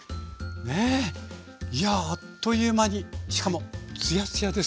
いやあっという間にしかもツヤツヤですよね。